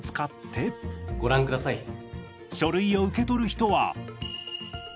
書類を受け取る人は。